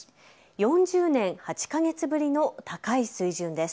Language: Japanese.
４０年８か月ぶりの高い水準です。